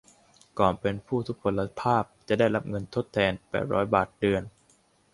ก่อนเป็นผู้ทุพพลภาพ จะได้รับเงินทดแทน แปดร้อย บาทเดือน